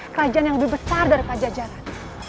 kerajaan yang lebih besar dari pajajaran